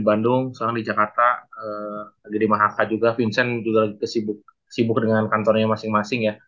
bandung seorang di jakarta jadi mahaka juga vincent juga sibuk sibuk dengan kantornya masing masing ya